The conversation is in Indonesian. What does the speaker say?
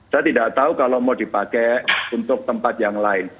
saya tidak tahu kalau mau dipakai untuk tempat yang lain